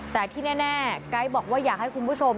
แต่ที่แน่ไก๊บอกว่าอยากให้คุณผู้ชม